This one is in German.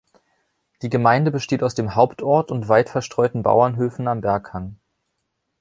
Die Gemeinde besteht aus dem Hauptort und weit verstreuten Bauernhöfen am Berghang.